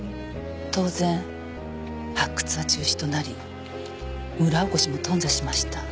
当然発掘は中止となり村おこしも頓挫しました。